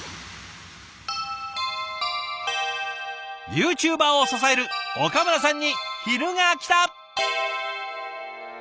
ユーチューバーを支える岡村さんに昼がきた！